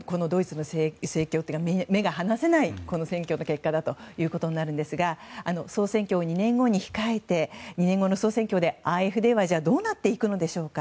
だから、目が離せない選挙の結果だということになるんですが総選挙を２年後に控えて２年後の総選挙でＡｆＤはどうなっていくのでしょうか。